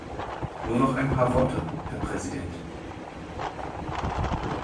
Nur noch ein paar Worte, Herr Präsident.